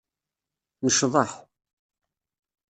Necḍeḥ.